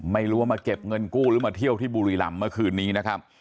ไม่รู้ว่ามาเก็บเงินกู้หรือมาเที่ยวที่บุรีรำเมื่อคืนนี้นะครับ